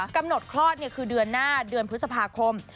กำหนดคลอดคือเดือนหน้าเดือนพฤษภาคม